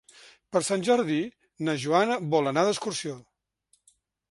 Per Sant Jordi na Joana vol anar d'excursió.